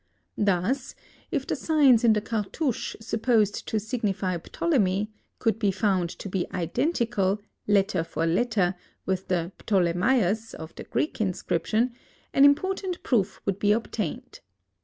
Thus, if the signs in the cartouche supposed to signify Ptolemy, could be found to be identical, letter for letter, with the Ptolemaios of the Greek inscription, an important proof would be obtained.